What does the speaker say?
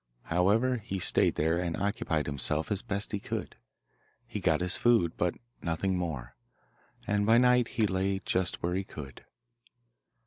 However, he stayed there and occupied himself as best he could. He got his food, but nothing more, and by night he lay just where he could.